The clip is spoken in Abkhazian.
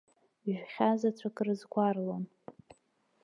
Жәхьа заҵәык рызгәарлон.